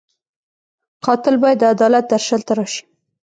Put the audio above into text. قاتل باید د عدالت درشل ته راشي